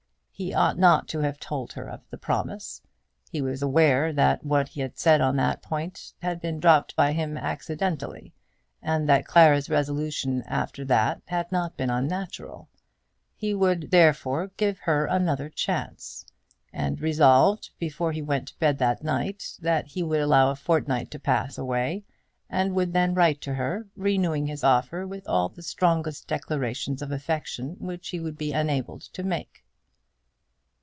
He ought not to have told her of the promise. He was aware that what he had said on that point had been dropped by him accidentally, and that Clara's resolution after that had not been unnatural. He would, therefore, give her another chance, and resolved before he went to bed that night that he would allow a fortnight to pass away, and would then write to her, renewing his offer with all the strongest declarations of affection which he would be enabled to make.